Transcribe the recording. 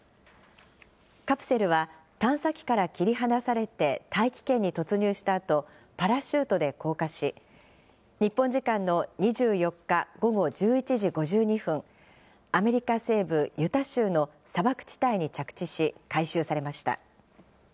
カプセルは、探査機から切り離されて大気圏に突入したあと、パラシュートで降下し、日本時間の２４日午後１１時５２分、アメリカ西部ユタ州の砂漠地帯に着地し、回収されました。